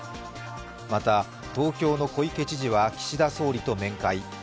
また、東京の小池知事は岸田総理と面会。